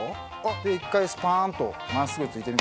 で一回スパーンと真っすぐ突いてみて。